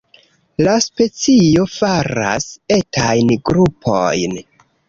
La specio faras etajn grupojn.